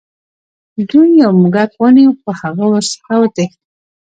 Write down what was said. دوی یو موږک ونیو خو هغه ورڅخه وتښتید.